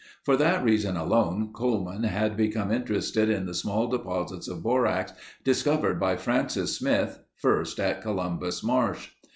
For that reason alone, Coleman had become interested in the small deposits of borax discovered by Francis Smith, first at Columbus Marsh.